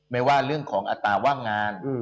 ไม่ว่าเรื่องของอัตราว่างงาน